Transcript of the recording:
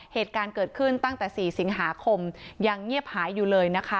เหตุการณ์เกิดขึ้นตั้งแต่๔สิงหาคมยังเงียบหายอยู่เลยนะคะ